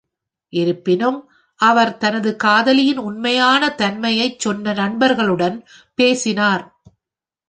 இருப்பினும், அவர் தனது காதலியின் உண்மையான தன்மையைச் சொன்ன நண்பர்களுடன் பேசினார்.